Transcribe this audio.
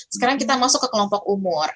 sekarang kita masuk ke kelompok umur